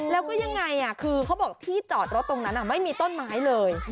แล้วก็ยังไงคือเขาบอกที่จอดรถตรงนั้นไม่มีต้นไม้เลย